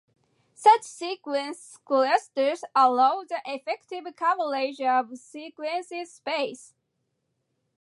Such Sequence clusters allow the effective coverage of sequence space.